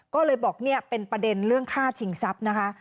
ก็เลยบอกเนี่ยเป็นประเด็นเรื่องฆ่าชิงทรัพย์นะคะ